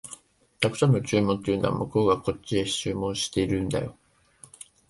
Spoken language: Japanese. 沢山の注文というのは、向こうがこっちへ注文してるんだよ